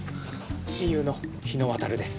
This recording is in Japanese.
親友の日野渉です。